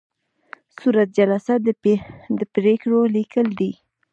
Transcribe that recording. صورت جلسه د پریکړو لیکل دي